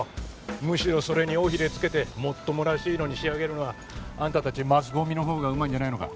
むしろそれに尾ひれ付けてもっともらしいのに仕上げるのはあんたたちマスゴミのほうがうまいんじゃないのか？